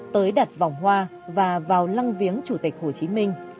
tới đặt vòng hoa và vào lăng viếng chủ tịch hồ chí minh